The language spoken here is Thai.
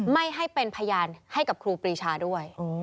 ไม่ให้เป็นพยานให้กับครูปรีชาด้วย